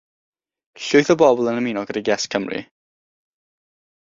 Llwyth o bobl yn ymuno gydag Yes Cymru.